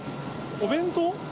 お弁当？